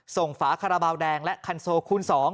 ฝาคาราบาลแดงและคันโซคูณ๒